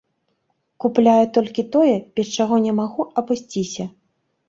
Купляю толькі тое, без чаго не магу абысціся.